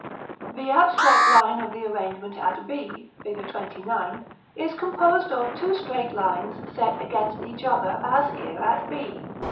The abstract line of the arrangement at B, Fig. XXIX., is composed of two straight lines, set against each other, as here at b.